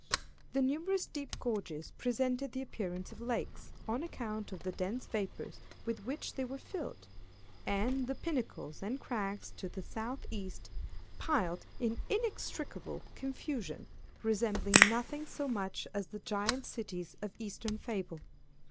The numerous deep gorges presented the appearance of lakes, on account of the dense vapors with which they were filled, and the pinnacles and crags to the South East, piled in inextricable confusion, resembling nothing so much as the giant cities of eastern fable.